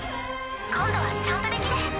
今度はちゃんとできる。